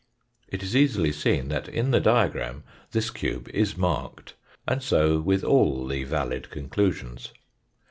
It is easily seen that in the diagram this cube is marked, and so with all the valid conclusions.